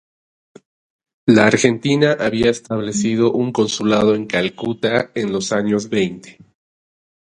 La Argentina había establecido un consulado en Calcuta en los años veinte.